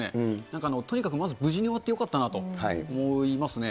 なんかとにかくまず無事に終わってよかったなと思いますね。